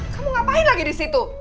kamu ngapain lagi disitu